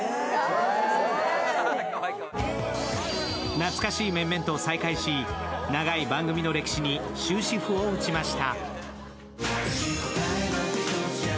懐かしい面々と再会し、長い番組の歴史に終止符を打ちました。